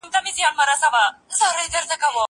کېدای سي زده کړه ستونزي ولري!؟